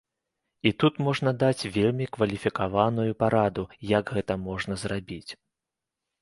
І тут можна даць вельмі кваліфікаваную параду, як гэта можна зрабіць.